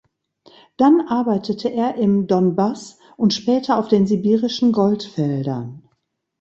Dann arbeitete er im Donbass und später auf den sibirischen Goldfeldern.